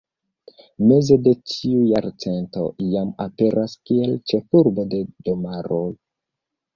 Meze de tiu jarcento, jam aperas kiel ĉefurbo de domaro.